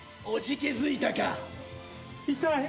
おじけづいたか。